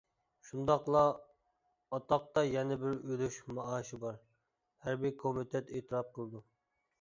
شۇنداقلا ئاتاقتا يەنە بىر ئۈلۈش مائاشى بار، ھەربىي كومىتېت ئېتىراپ قىلىدۇ.